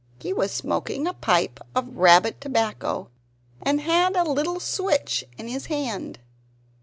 He was smoking a pipe of rabbit tobacco, and had a little switch in his hand.